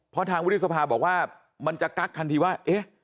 เพราะทางวุฒิสภาบอกว่ามันจะกั๊กทันทีว่า